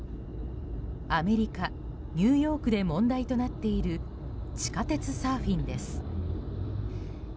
アメリカ・ニューヨークで問題となっている地下鉄サーフィンです。